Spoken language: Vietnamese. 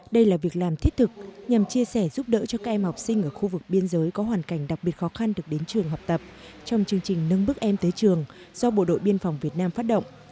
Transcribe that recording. đây là việc làm thiết thực nhằm chia sẻ giúp đỡ cho các em học sinh ở khu vực biên giới có hoàn cảnh đặc biệt khó khăn được đến trường học tập trong chương trình nâng bước em tới trường do bộ đội biên phòng việt nam phát động